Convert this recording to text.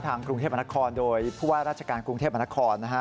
กรุงเทพมนครโดยผู้ว่าราชการกรุงเทพมหานครนะฮะ